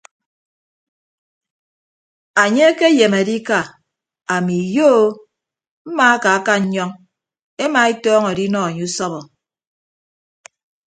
Anye ke ayem adika ami iyo o mmaakaka nnyọñ ema etọñọ adinọ enye usọbọ.